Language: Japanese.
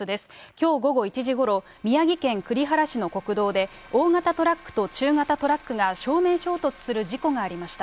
きょう午後１時ごろ、宮城県栗原市の国道で、大型トラックと中型トラックが正面衝突する事故がありました。